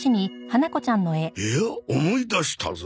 いや思い出したぞ。